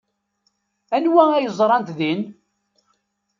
Anwa ay ẓrant din?